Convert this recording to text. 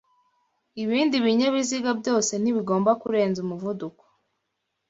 ibindi binyabiziga byose ntibigomba kurenza umuvuduko